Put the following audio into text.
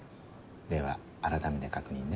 ではあらためて確認ね。